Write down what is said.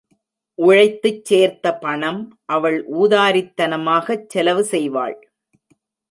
உழைத்துச் சேர்த்த பணம் அவள் ஊதாரித் தனமாகச் செலவு செய்வாள்.